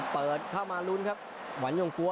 เปิดเข้ามาลุ้นครับวันยงปั๊